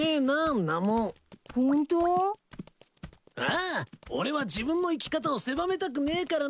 ああ俺は自分の生き方を狭めたくねえからな。